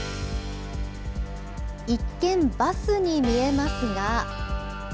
一見、バスに見えますが。